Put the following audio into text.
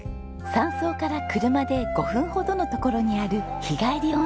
山荘から車で５分ほどの所にある日帰り温泉です。